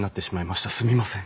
すみません。